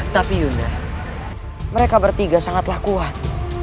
tapi yuna mereka bertiga sangatlah kuat